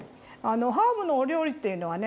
ハーブのお料理っていうのはね